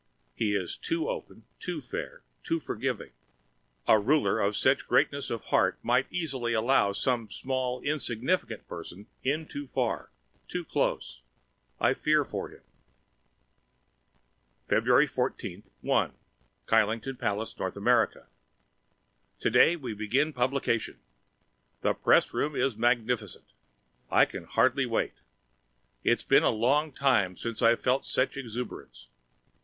He is too open, too fair, too forgiving. A ruler with such greatness of heart might easily allow some small insignificant person in too far, too close. I fear for him! February 14, 1 Kyleton Palace, North America Tomorrow we begin publication! The pressroom is magnificent! I can hardly wait. It's been a long time since I've felt such exuberance.